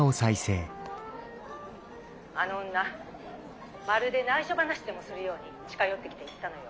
「あの女まるでないしょ話でもするように近寄ってきて言ったのよ」。